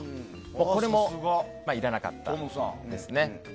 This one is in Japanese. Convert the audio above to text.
これもいらなかったですね。